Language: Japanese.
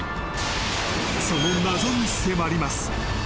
［その謎に迫ります］